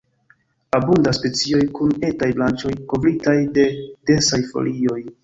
Abundas specioj kun etaj branĉoj kovritaj de densaj folioj.